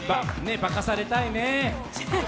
化かされたいねえ。